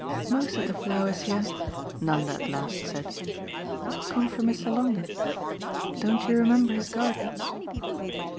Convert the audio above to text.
"Most of the flowers here," Nanda at last said, "come from Mr. Longdon. Don't you remember his garden?"